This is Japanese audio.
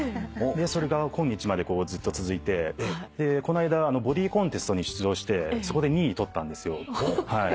それが今日までずっと続いてこの間ボディーコンテストに出場してそこで２位取ったんですよ。